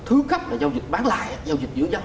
thứ cấp là giao dịch bán lại giao dịch giữa giá